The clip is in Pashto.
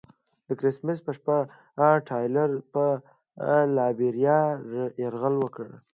د کرسمس په شپه ټایلر پر لایبیریا یرغل وکړ.